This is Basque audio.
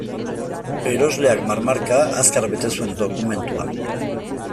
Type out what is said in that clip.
Erosleak marmarka, azkar bete zuen dokumentua.